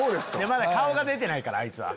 まだ顔が出てないからあいつは。